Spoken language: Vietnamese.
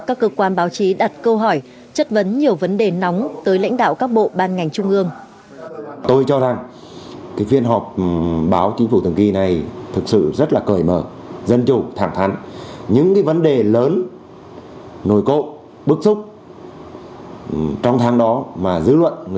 các cơ quan báo chí đặt câu hỏi chất vấn nhiều vấn đề nóng tới lãnh đạo các bộ ban ngành trung ương